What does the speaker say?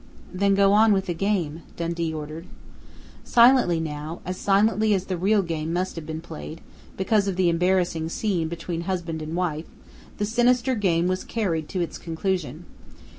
"Then go on with the game," Dundee ordered. Silently now, as silently as the real game must have been played, because of the embarrassing scene between husband and wife, the sinister game was carried to its conclusion.